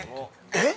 ◆えっ？